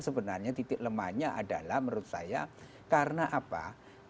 sebenarnya titik lemahnya adalah menurut saya karena apa karena satu ini lebih kepada penyerangan